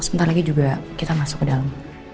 sebentar lagi juga kita masuk ke dalam